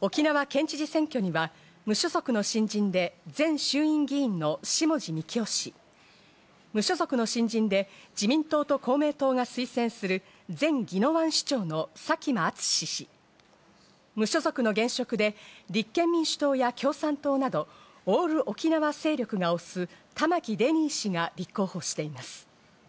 沖縄県知事選挙には無所属の新人で前衆院議員の下地幹郎氏、無所属の新人で、自民党と公明党が推薦する前宜野湾市長の佐喜真淳氏、無所属の現職で、立憲民主党や共産党など、オール沖縄勢力が推す玉城デニー氏が立候補しています。